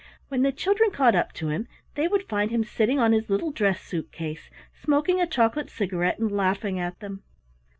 When the children caught up to him, they would find him sitting on his little dress suit case, smoking a chocolate cigarette, and laughing at them.